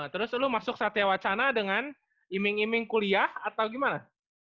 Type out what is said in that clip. terus lu masuk satya wacana dengan iming iming kuliah atau gimana